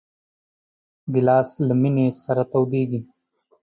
ګیلاس له مېنې سره تودېږي.